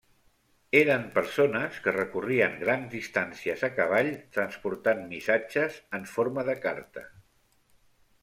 Eren persones que recorrien grans distàncies a cavall transportant missatges en forma de carta.